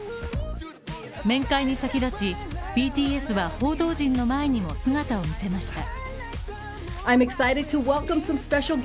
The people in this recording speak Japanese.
面会に先立ち、ＢＴＳは報道陣の前にも姿を見せました。